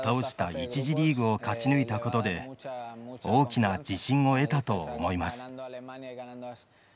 １次リーグを勝ち抜いたことで大きな自信を得たと思います。